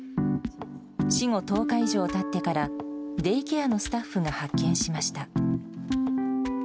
死後１０日以上たってから、デイケアのスタッフが発見しました。